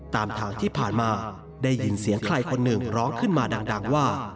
ตามทางที่ผ่านมาได้ยินเสียงใครคนหนึ่งร้องขึ้นมาดังว่า